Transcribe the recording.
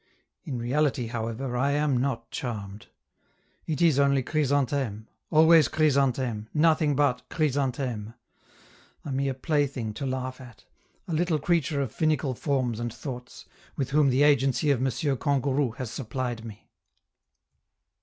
In reality, however, I am not charmed; it is only Chrysantheme, always Chrysantheme, nothing but Chrysantheme: a mere plaything to laugh at, a little creature of finical forms and thoughts, with whom the agency of M. Kangourou has supplied me.